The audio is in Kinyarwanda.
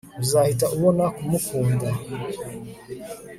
uzahita ubona kumukunda